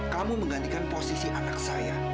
kamu menggantikan posisi anak saya